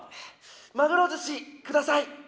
マグロ寿司下さい。